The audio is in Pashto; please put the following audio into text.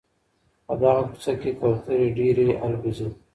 په دغه کوڅه کي کوتري ډېري البوځي.